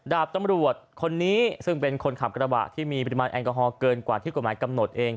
ดาบตำรวจคนนี้ซึ่งเป็นคนขับกระบะที่มีปริมาณแอลกอฮอลเกินกว่าที่กฎหมายกำหนดเอง